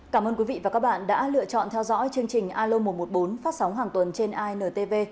cảm ơn quý vị và các bạn đã lựa chọn theo dõi chương trình alo một trăm một mươi bốn phát sóng hàng tuần trên intv